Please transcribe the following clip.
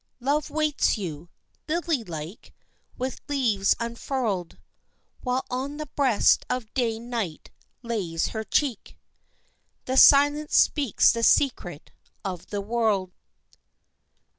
Love waits you, lily like, with leaves unfurled, While on the breast of day night lays her cheek, The silence speaks the secret of the world.